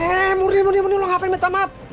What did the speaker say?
eh murni murni murni lu ngapain minta maaf